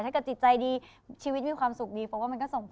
ถ้าเกิดจิตใจดีชีวิตมีความสุขดีเพราะว่ามันก็ส่งผล